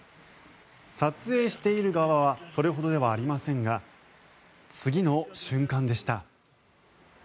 撮影している側はそれほどではありませんが次の瞬間でした。